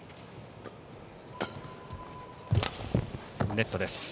ネットです。